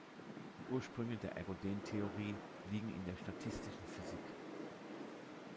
Die Ursprünge der Ergodentheorie liegen in der statistischen Physik.